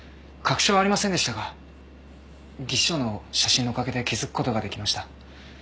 確証はありませんでしたが技師長の写真のおかげで気付くことができました。